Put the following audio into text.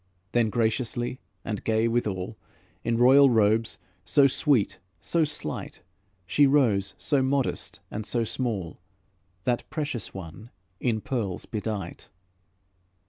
Then graciously and gay withal, In royal robes, so sweet, so slight, She rose, so modest and so small, That precious one in pearls bedight.